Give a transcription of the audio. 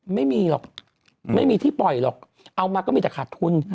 ไม่มีหรอกไม่มีที่ปล่อยหรอกเอามาก็มีแต่ขาดทุน